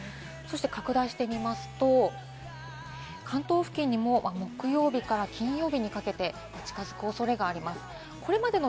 拡大してみますと、関東付近にも木曜日から金曜日にかけて近づくおそれがあります。